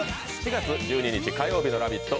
４月１２日月曜日の「ラヴィット！」